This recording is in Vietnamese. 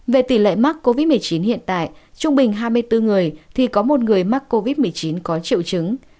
về tỷ lệ mắc covid một mươi chín hiện tại trung bình hai mươi bốn người thì có một người mắc covid một mươi chín có triệu chứng